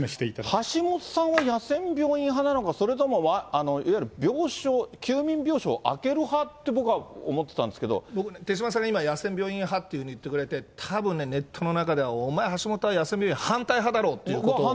橋下さんは野戦病院派なのか、それともいわゆる病床、休眠病床をあける派って、僕ね、手嶋さんが今、野戦病院派っていうふうに言ってくれてたぶんね、ネットの中では、お前、橋下は野戦病院反対派だろうということを。